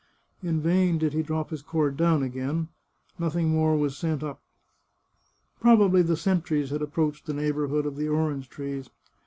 In vain did he drop his 351 The Chartreuse of Parma cord down again; nothing more was sent up. Probably the sentries had approached the neighbourhood of the orange trees.